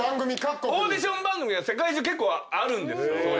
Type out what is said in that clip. オーディション番組は世界中結構あるんですよ。